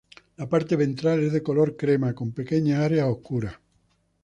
La parte ventral es de color crema, con pequeñas áreas oscuras.